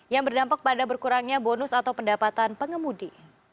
yang berdampak pada berkurangnya bonus atau pendapatan pengemudi